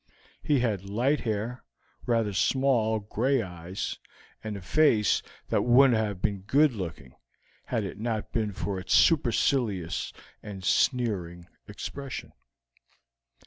He had light hair, rather small gray eyes, and a face that would have been good looking had it not been for its supercilious and sneering expression."